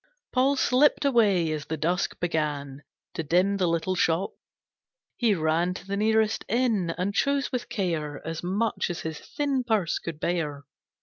Paul slipped away as the dusk began To dim the little shop. He ran To the nearest inn, and chose with care As much as his thin purse could bear.